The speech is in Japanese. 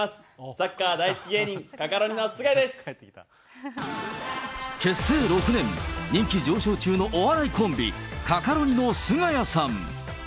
サッカー大好き芸人、カカロニの結成６年、人気上昇中のお笑いコンビ、カカロニのすがやさん。